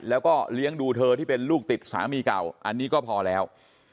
แล้วก็เลี้ยงดูเธอที่เป็นลูกติดสามีเก่าอันนี้ก็พอแล้ว